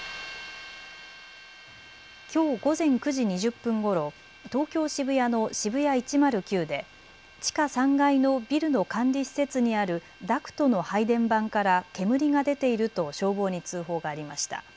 きょう午前９時２０分ごろ、東京渋谷のＳＨＩＢＵＹＡ１０９で地下３階のビルの管理施設にあるダクトの配電盤から煙が出ていると消防に通報がありました。